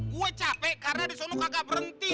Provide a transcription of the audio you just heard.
gua capek karena di sana kagak berhenti